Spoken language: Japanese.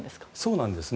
そうなんです。